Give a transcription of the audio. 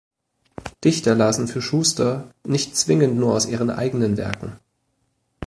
Dichter lasen für Schuster nicht zwingend nur aus ihren eigenen Werken.